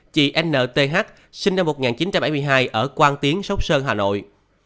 một mươi chị n t h sinh năm một nghìn chín trăm bảy mươi hai ở quang tiến sóc sơn hà nội